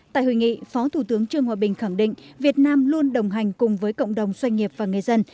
tại hội nghị phó thủ tướng trương hòa bình khẳng định việt nam luôn đồng hành cùng với cộng đồng doanh nghiệp và người dân